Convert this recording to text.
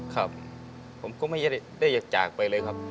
ครับผมก็ไม่ได้อยากจากไปเลยครับ